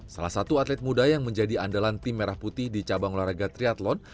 salah satu atlet muda yang menjadi andalan tim merah putih di cabang olahraga triathlon